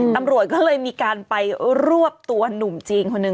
ตำรวจก็เลยมีการไปรวบตัวหนุ่มจีนคนหนึ่ง